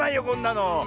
こんなの。